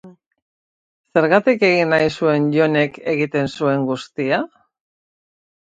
Zergatik egin nahi zuen Johnek egiten zuen guztia?